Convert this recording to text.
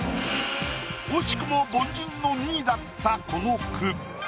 惜しくも凡人の２位だったこの句。